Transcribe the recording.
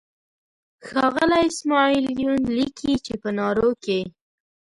ښاغلی اسماعیل یون لیکي چې په نارو کې.